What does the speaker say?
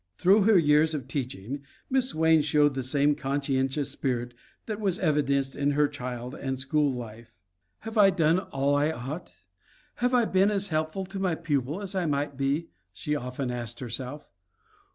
Through her years of teaching Miss Swain showed the same conscientious spirit that was evidenced in her child and school life. "Have I done all I ought? Have I been as helpful to my pupils as I might be?" she often asked herself.